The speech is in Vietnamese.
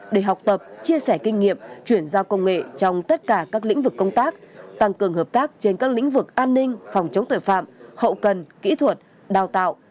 để học tập chia sẻ kinh nghiệm chuyển giao công nghệ trong tất cả các lĩnh vực công tác tăng cường hợp tác trên các lĩnh vực an ninh phòng chống tội phạm hậu cần kỹ thuật đào tạo